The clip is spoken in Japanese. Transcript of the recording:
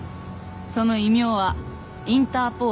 その異名はインターポールの狼。